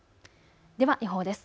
では予報です。